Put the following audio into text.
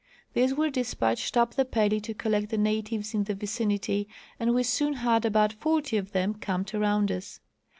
These were dispatched up the Pelly to collect the natives in the vicinity and we soon had about forty of them camped around us.